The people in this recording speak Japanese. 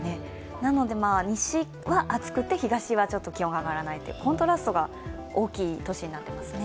なので西は暑くて、東は気温が上がらない、コントラストが大きい年になってますね。